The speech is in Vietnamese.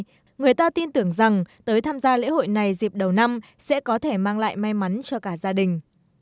vì vậy người ta tin tưởng rằng tới tham gia lễ hội này dịp đầu năm sẽ có thể mang lại may mắn cho cả gia đình